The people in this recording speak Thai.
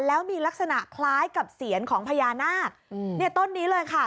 แล้วมีลักษณะคล้ายกับเสียนของพญานาคอืมเนี่ยต้นนี้เลยค่ะ